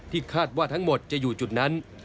คาดว่าทั้งหมดจะอยู่จุดนั้น